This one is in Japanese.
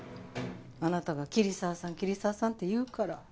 あなたが「桐沢さん桐沢さん」って言うから。